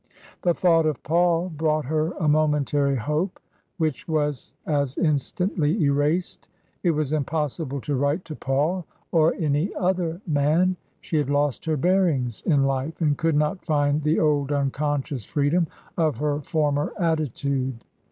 The thought of Paul brought her a momentary hope which was as instantly erased. It was impossible to write to Paul — or any other man ; she had lost her bearings in TRANSITION. 285 life and could not find the old unconscious freedom of her former attitude.